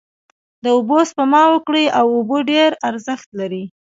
داوبوسپما وکړی او اوبه ډیر ارښت لری